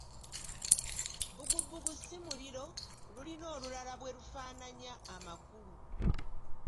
Bbugubugu si muliro, lulina olulala bwe lufaananya amakulu.